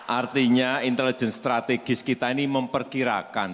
artinya intelijen strategis kita ini memperkirakan